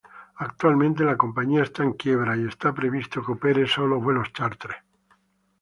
Actualmente la compañía está en quiebra, y está previsto que opere solo vuelos chárter.